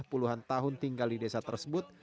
puluhan tahun tinggal di desa tersebut